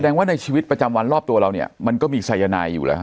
ว่าในชีวิตประจำวันรอบตัวเราเนี่ยมันก็มีสายนายอยู่แล้วฮ